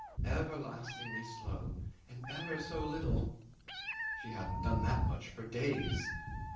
everlastingly slow; and ever so little. She hadn't done that much for days.